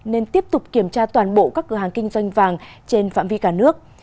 nên tiếp tục kiểm tra toàn bộ các cửa hàng kinh doanh vàng trên phạm vi cả nước